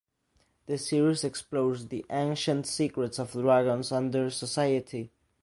The series explores the ancient secrets of dragons and their society.